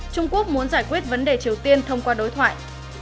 trung quốc muốn giải quyết vấn đề triều tiên thông qua đối thoại